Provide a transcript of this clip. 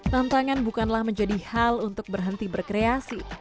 tantangan bukanlah menjadi hal untuk berhenti berkreasi